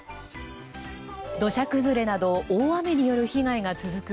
土砂崩れなど大雨による被害が続く